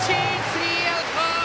スリーアウト！